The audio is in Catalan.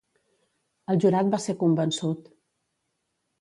El jurat va ser convençut.